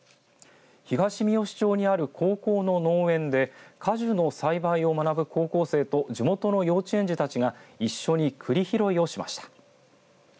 東みよし町にある高校の農園で果樹の栽培を学ぶ高校生と地元の幼稚園児たちが一緒にくり拾いをしました。